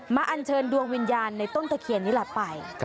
มาอัญเชิญดวงวิญญาณในต้นตะเคียนนี้ล่ะป่าย